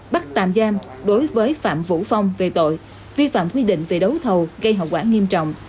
bắt tạm giam đối với phạm vũ phong về tội vi phạm quy định về đấu thầu gây hậu quả nghiêm trọng